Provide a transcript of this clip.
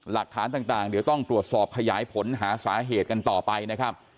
หลักฐานต่างเดี๋ยวต้องตรวจสอบขยายผลหาสาเหตุกันต่อไปนะครับ